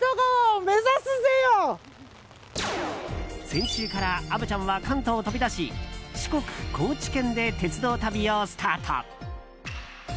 先週から虻ちゃんは関東を飛び出し四国・高知県で鉄道旅をスタート。